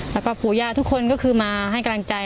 แล้วก็ปู่ย่าทุกคนก็คือมาให้กำลังใจ